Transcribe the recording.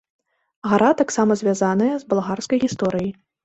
Гара таксама звязаная з балгарскай гісторыяй.